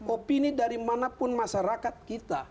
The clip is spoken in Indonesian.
opini dari mana pun masyarakat kita